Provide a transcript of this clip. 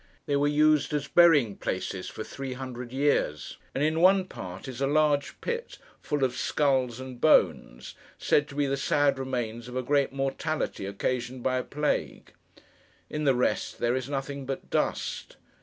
They were used as burying places for three hundred years; and, in one part, is a large pit full of skulls and bones, said to be the sad remains of a great mortality occasioned by a plague. In the rest there is nothing but dust.